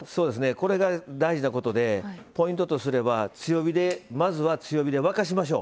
これが大事なことでポイントとすればまず強火で沸かしましょう。